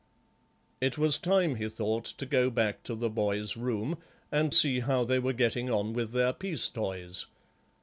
It was time, he thought, to go back to the boys' room, and see how they were getting on with their peace toys.